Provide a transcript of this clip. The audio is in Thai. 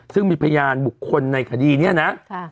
ซึ่งมีพยานบุคคลในคดีนี้นะ